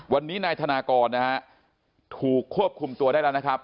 วันนี้นายธนากรนะฮะถูกควบคุมตัวได้แล้วนะครับ